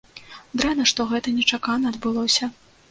Дрэнна, што гэта нечакана адбылося.